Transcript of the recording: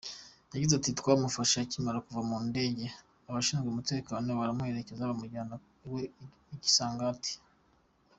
Yagize ati “ Twamufashe akimara kuva mu ndege, abashinzwe umutekano baramuherekeza bamujyana iwe i Kasangati.